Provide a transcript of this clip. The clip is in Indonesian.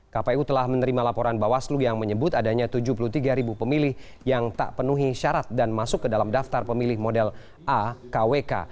kpu telah menerima laporan bawaslu yang menyebut adanya tujuh puluh tiga pemilih yang tak penuhi syarat dan masuk ke dalam daftar pemilih model akwk